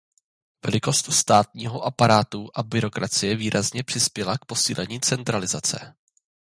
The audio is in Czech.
Velikost státního aparátu a byrokracie výrazně přispěla k posílení centralizace.